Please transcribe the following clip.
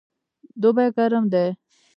دوبی ګرم دی